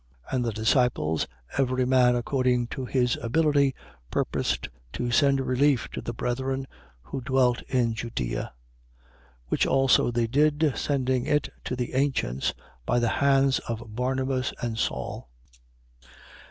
11:29. And the disciples, every man according to his ability, purposed to send relief to the brethren who dwelt in Judea. 11:30. Which also they did, sending it to the ancients, by the hands of Barnabas and Saul.